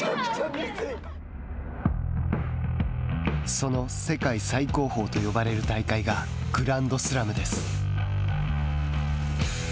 その世界最高峰と呼ばれる大会がグランドスラムです。